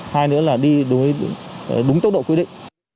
hai nữa là đi đúng tốc độ quy định